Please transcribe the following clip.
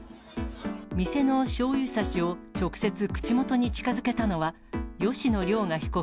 店のしょうゆさしを直接口元に近づけたのは、吉野凌雅被告